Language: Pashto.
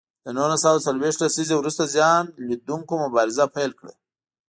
له نولس سوه څلویښت لسیزې وروسته زیان ولیدوونکو مبارزه پیل کړه.